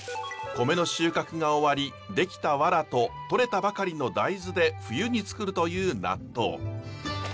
米の収穫が終わり出来たわらととれたばかりの大豆で冬につくるという納豆。